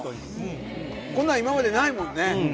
こんなの今までないもんね。